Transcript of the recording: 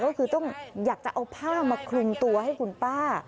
ก็คือต้องอยากจะเอาผ้ามาคลุมตัวให้คุณป้า